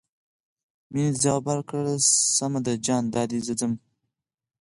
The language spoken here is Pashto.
مينې ځواب ورکړ سمه ده جان دادی زه ځم.